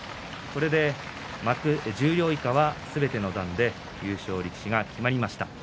これで十両以下は、すべての段で優勝力士が決まりました。